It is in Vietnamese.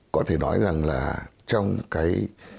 có thể nói rằng là trong cái